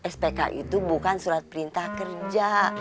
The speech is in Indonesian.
spk itu bukan surat perintah kerja